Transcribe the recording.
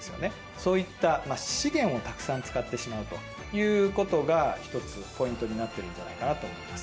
そういった資源をたくさん使ってしまうということが、一つポイントになっているんじゃないかなと思っています。